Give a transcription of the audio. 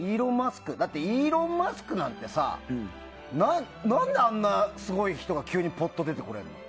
だってイーロン・マスクなんて何であんなすごい人が急にポッと出てこれるの？